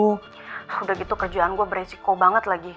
aku udah gitu kerjaan gue beresiko banget lagi